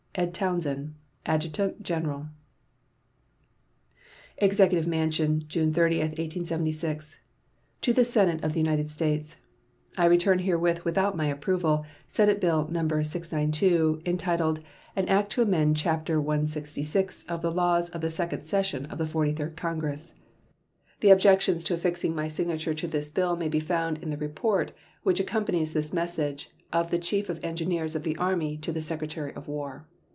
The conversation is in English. ED TOWNSEND, Adjutant General. EXECUTIVE MANSION, June 30, 1876. To the Senate of the United States: I return herewith without my approval Senate bill No. 692, entitled "An act to amend chapter 166 of the laws of the second session of the Forty third Congress." The objections to affixing my signature to this bill may be found in the report, which accompanies this message, of the Chief of Engineers of the Army to the Secretary of War.